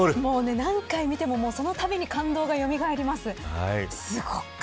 何回見ても、そのたびに感動がよみがえります。